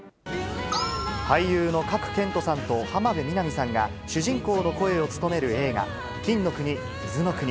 俳優の賀来賢人さんと浜辺美波さんが主人公の声を務める映画、金の国水の国。